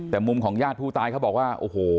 แต่มุมของญาติผู้ตายเขาบอกว่าโอ้โห